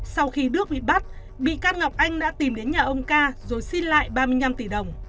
sau khi đước bị bắt bị can ngọc anh đã tìm đến nhà ông ca rồi xin lại ba mươi năm tỷ đồng